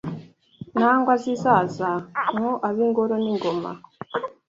Nangwa zizaza mwo ab’ingori n’ingoma